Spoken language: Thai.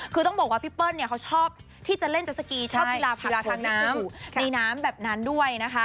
คือต้องบอกว่าพี่เปิ้ลเนี่ยเขาชอบที่จะเล่นจะสกีชอบภีราผ่านโผล่ในหน้าแบบนั้นด้วยนะคะ